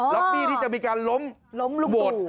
ล็อบบี้ที่จะมีการล้มล้มลุงตู่